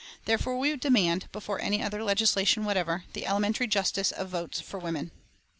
Therefore, we demand, before any other legislation whatever, the elementary justice of votes for women.